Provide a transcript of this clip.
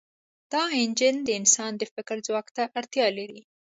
دا انجن د انسان د فکر ځواک ته اړتیا لري.